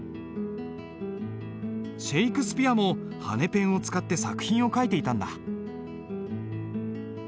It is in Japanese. シェイクスピアも羽ペンを使って作品を書いていたんだ。